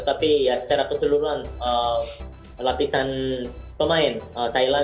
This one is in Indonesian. dan juga ada seorang pemain yang berusia sepuluh tahun